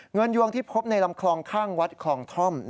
ยวงที่พบในลำคลองข้างวัดคลองท่อม